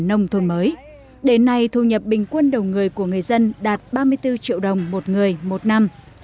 nông thôn mới đến nay thu nhập bình quân đầu người của người dân đạt ba mươi bốn triệu đồng một người một năm